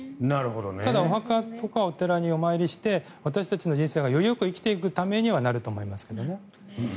ただ、お寺とかお墓にお参りして私たちの人生をよりよく生きていくためにはなると思いますけど。